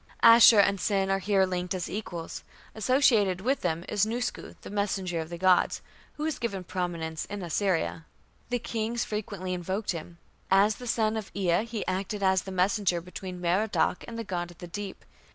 " Ashur and Sin are here linked as equals. Associated with them is Nusku, the messenger of the gods, who was given prominence in Assyria. The kings frequently invoked him. As the son of Ea he acted as the messenger between Merodach and the god of the deep.